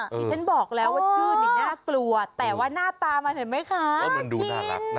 ที่ฉันบอกแล้วว่าชื่อนี่น่ากลัวแต่ว่าหน้าตามันเห็นไหมคะ